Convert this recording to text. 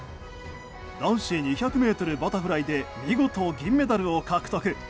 男子２００ｍバタフライで見事、銀メダルを獲得。